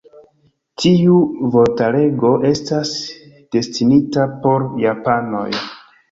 Tiu vortarego estas destinita por japanoj.